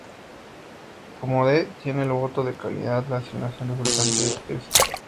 Como D tiene el voto de calidad, la asignación resultante es esa.